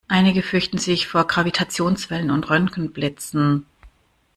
Einige fürchten sich vor Gravitationswellen und Röntgenblitzen.